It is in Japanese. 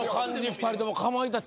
２人ともかまいたち。